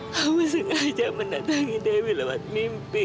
kamu sengaja mendatangi dewi lewat mimpi